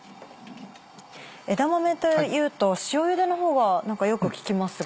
枝豆というと塩ゆでの方がよく聞きますが。